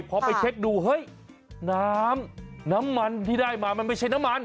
พอไปเช็คดูเฮ้ยน้ำน้ำมันที่ได้มามันไม่ใช่น้ำมัน